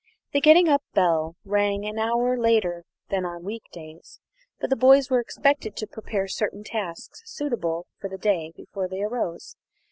The getting up bell rang an hour later than on week days, but the boys were expected to prepare certain tasks suitable for the day before they rose.